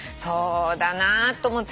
そうだなと。